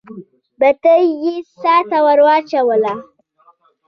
بتۍ يې څا ته ور واچوله.